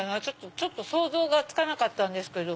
ちょっと想像がつかなかったんですけど。